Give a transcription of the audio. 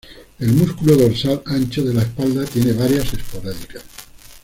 El músculo dorsal ancho de la espalda tiene varias esporádicas.